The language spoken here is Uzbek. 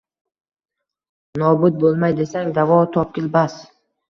Nobud bo’lmay desang, davo topgil, bas: